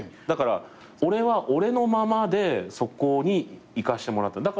だから俺は俺のままでそこに行かせてもらった。